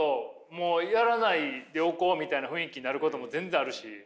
もうやらないでおこうみたいな雰囲気になることも全然あるし。